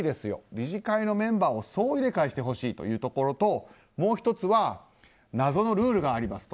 理事会のメンバーを総入れ替えしてほしいというところともう１つは謎のルールがありますと。